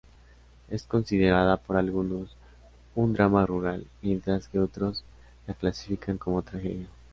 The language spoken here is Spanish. Es considerada por algunos un drama rural, mientras que otros la clasifican como tragedia.